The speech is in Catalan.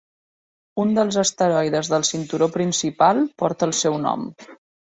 Un dels asteroides del cinturó principal porta el seu nom.